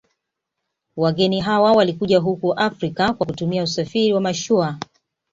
Wageni hawa walikuja huku Afrika kwa kutumia usafiri wa mashua